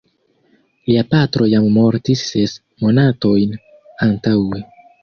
Lia patro jam mortis ses monatojn antaŭe.